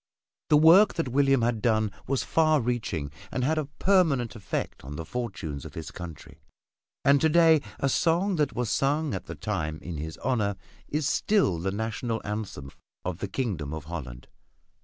The work that William had done was far reaching and had a permanent effect on the fortunes of his country. And to day a song that was sung at the time in his honor is still the national anthem of the Kingdom of Holland.